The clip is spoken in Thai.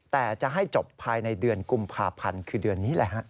แต่จะให้จบภายในเดือนกุมภาพันธ์คือเดือนนี้แหละฮะ